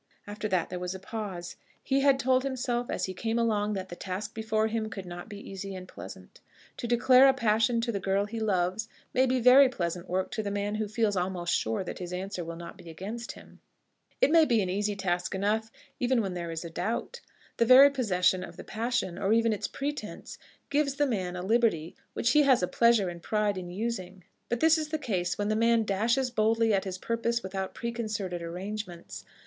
After that there was a pause. He had told himself as he came along that the task before him could not be easy and pleasant. To declare a passion to the girl he loves may be very pleasant work to the man who feels almost sure that his answer will not be against him. It may be an easy task enough even when there is a doubt. The very possession of the passion, or even its pretence, gives the man a liberty which he has a pleasure and a pride in using. But this is the case when the man dashes boldly at his purpose without preconcerted arrangements.